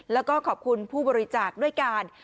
แล้วก็ขอบคุณผู้บริจาคด้วยการ